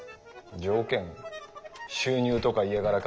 条件？収入とか家柄か？